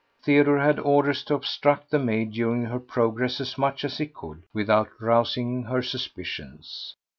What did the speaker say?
Theodore had orders to obstruct the maid during her progress as much as he could without rousing her suspicions.